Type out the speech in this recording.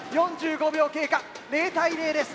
４５秒経過０対０です。